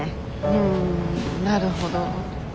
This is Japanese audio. うんなるほど。